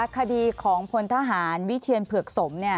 คดีของพลทหารวิเชียนเผือกสม